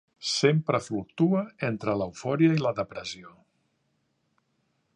Sempre fluctua entre l'eufòria i la depressió.